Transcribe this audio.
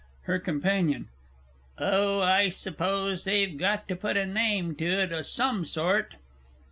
HER COMPANION. Oh, I s'pose they've got to put a name to it o' some sort.